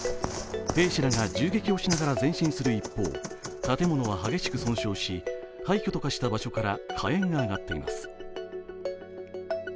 兵士らが銃撃をしながら前進する一方建物は激しく損傷し、廃墟と化した場所から火炎が上がっています。